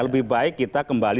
lebih baik kita kembali